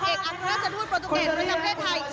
เอกอัครราชทูตโปรตูเกตประจำประเทศไทย